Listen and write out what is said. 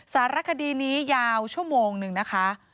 สารคดีนี้ยาวชั่วโมงหนึ่งนะคะ